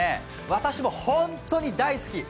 私も本当に大好き。